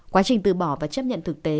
quá trình từ bỏ và chấp nhận thực tế